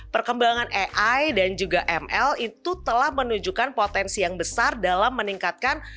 perkembangan ai dan juga ml itu telah menunjukkan potensi yang besar dalam meningkatkan